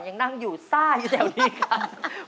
ยังนั่งอยู่ซ่าอยู่แถวนี้ค่ะ